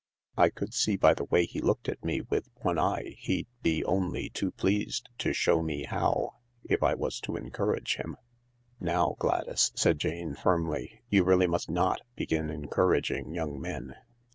I could see by the way he looked at me with one eye he'd be only too pleased to show me how, if I was to encourage him." " Now, Gladys," said Jane firmly, " you really must not begin encouraging young men."